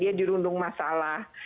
dia dirundung masalah